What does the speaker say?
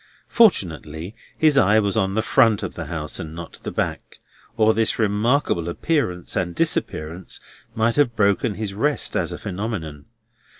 Fortunately his eye was on the front of the house and not the back, or this remarkable appearance and disappearance might have broken his rest as a phenomenon.